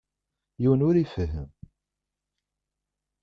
Yiwen ur ifehhem.